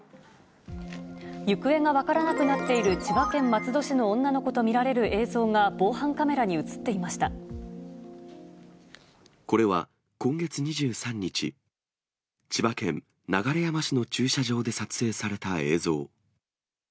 行方が分からなくなっている千葉県松戸市の女の子と見られる映像が、防犯カメラに写っていまこれは、今月２３日、千葉県流山市の駐車場で撮影された映像。